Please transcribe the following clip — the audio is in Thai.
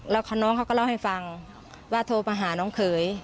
แล้วน้องเขาก็เล่าให้ฟังว่าโทรมาหาน้องเขย